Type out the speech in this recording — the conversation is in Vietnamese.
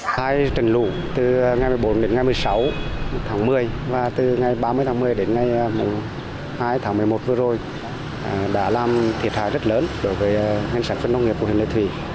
hai trận lũ từ ngày một mươi bốn đến ngày một mươi sáu tháng một mươi và từ ngày ba mươi tháng một mươi đến ngày hai tháng một mươi một vừa rồi đã làm thiệt hại rất lớn đối với ngành sản xuất nông nghiệp của huyện lệ thủy